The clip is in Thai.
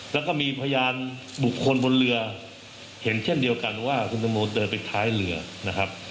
แล้วก็มีพยานบุคคลบนเรือเห็นเช่นเดียวกันว่าคุณตังโมเดินไปท้ายเรือนะครับ